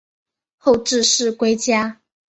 后致仕归家。